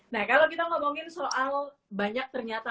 nah kalau kita ngomongin soal banyak ternyata